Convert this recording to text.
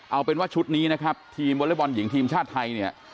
เอาเป็นว่าชุดนี้นะครับทีมวอเล็กบอลหญิงทีมชาติไทยเนี่ย